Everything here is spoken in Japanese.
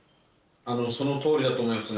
そのとおりだと思いますね。